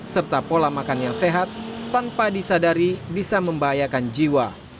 serta pola makan yang sehat tanpa disadari bisa membahayakan jiwa